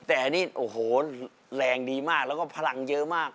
แต่อันนี้โอ้โหแรงดีมากแล้วก็พลังเยอะมาก